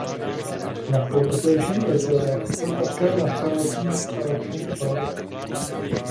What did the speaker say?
Na pobřeží jezera se také nachází státní park.